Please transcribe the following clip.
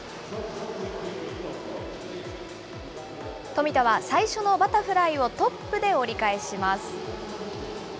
富田は最初のバタフライをトップで折り返します。